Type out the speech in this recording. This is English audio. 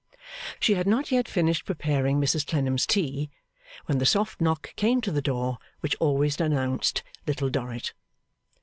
She had not yet finished preparing Mrs Clennam's tea, when the soft knock came to the door which always announced Little Dorrit.